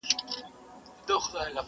آیینې ولي مي خوبونه د لحد ویښوې،